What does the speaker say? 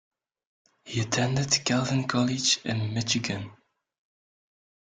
He attended Calvin College in Michigan.